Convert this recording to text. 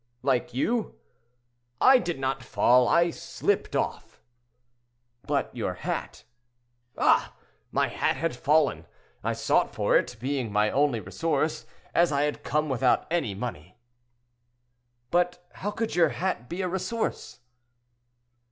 "Like you." "I did not fall; I slipped off." "But your hat?" "Ah! my hat had fallen. I sought for it, being my only resource, as I had come out without money." "But how could your hat be a resource?"